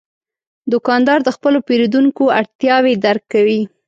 دوکاندار د خپلو پیرودونکو اړتیاوې درک کوي.